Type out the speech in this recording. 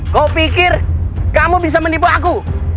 kau pikir kamu bisa menipu aku